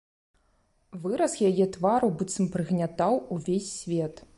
Выраз яе твару быццам прыгнятаў увесь свет.